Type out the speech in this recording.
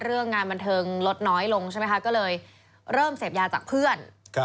เรื่องงานบันเทิงลดน้อยลงใช่ไหมคะก็เลยเริ่มเสพยาจากเพื่อน